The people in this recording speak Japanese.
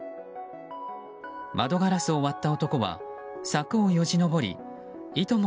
窓ガラスを割った男は柵をよじ登りいとも